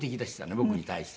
僕に対して。